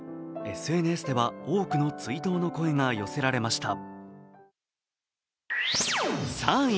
ＳＮＳでは多くの追悼の声が寄せられました。